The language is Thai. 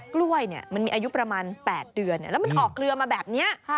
กล้วยมันมีอายุประมาณ๘เดือนแล้วมันออกเครือมาแบบนี้